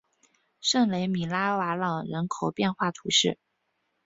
圣雷米拉瓦朗人口变化图示